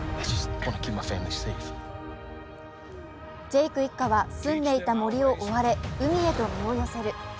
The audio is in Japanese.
ジェイク一家は、住んでいた森を追われ、海へと身を寄せる。